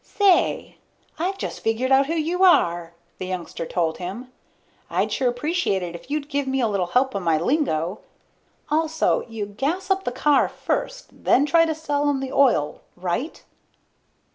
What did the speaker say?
"Say, I've just figured out who you are," the youngster told him. "I'd sure appreciate it if you'd give me a little help on my lingo. Also, you gas up the car first, then try to sell 'em the oil right?"